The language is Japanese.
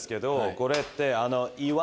これって。